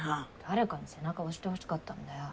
誰かに背中押してほしかったんだよ。